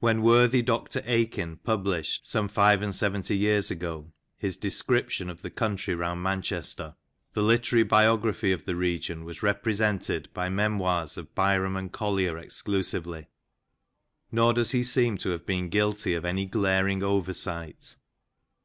When worthy Dr Aikin pubUshed, some five and seventy years ago, his '•' Description of the Country round Manchester," the hterary biography of the region was repre sented by memoirs of Byrom and Collier exclusively, nor does he seem to have been guilty of any glaring oversight.